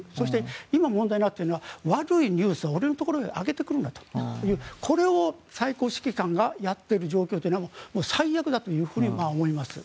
そして、今問題になっているのは悪いニュースを俺のところに上げてくるなというこれを最高指揮官がやっている状況というのは最悪だと思います。